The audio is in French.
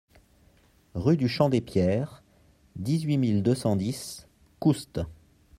Rue du Champ des Pierres, dix-huit mille deux cent dix Coust